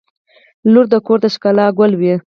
• لور د کور د ښکلا ګل وي.